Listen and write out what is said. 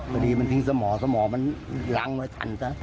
พอดีมันทิ้งสมอสมองมันล้างไว้ทันซะ